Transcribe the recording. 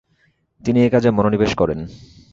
তিনি এ কাজে মনোনিবেশ করেন।